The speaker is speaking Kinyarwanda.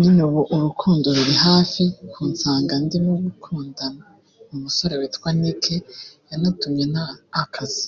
nyine ubu urukundo ruri hafi kunsaza ndimo gukunda umusore witwa Nick yanatumye nta akazi